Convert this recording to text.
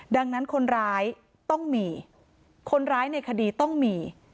ดังนั้นคนร้ายต้องมีคนร้ายในคดีต้องมี